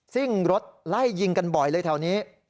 ซิ่งรถไล่ยิงกันบ่อยเลยแถวนี้